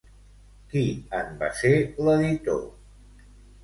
Qui en va ser l'editor?